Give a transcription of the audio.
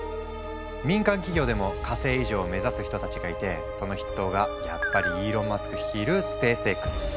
民間企業でも火星移住を目指す人たちがいてその筆頭がやっぱりイーロン・マスク率いるスペースＸ。